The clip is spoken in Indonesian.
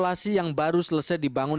di kawasan yang baru selesai dibangun